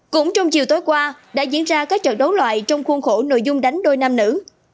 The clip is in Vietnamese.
cũng trong chiều tối qua đã diễn ra các trận đấu loại trong khuôn khổ nội dung đánh đôi nam nữ